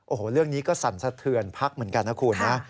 โอ้โหเรื่องนี้ก็สั่นสะเทือนพักเหมือนกันนะคุณนะ